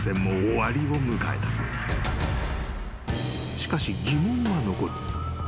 ［しかし疑問は残る］